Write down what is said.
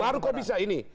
baru kau bisa ini